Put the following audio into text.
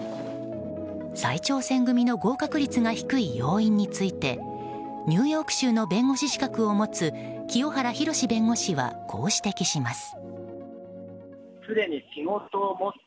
再挑戦組の合格率が低い要因についてニューヨーク州の弁護士資格を持つ清原博弁護士はこう指摘します。